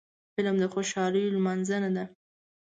فلم د خوشحالیو لمانځنه ده